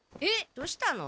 どうしたの？